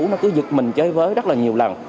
nó cứ giật mình chơi với rất là nhiều lần